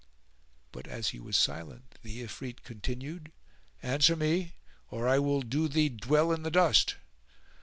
But as he was silent the Ifrit continued, "Answer me or I will do thee dwell in the dust!"